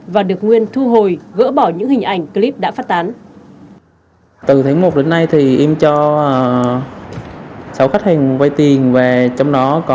và được nguyên thu hồi gỡ bỏ những hình ảnh clip đã phát tán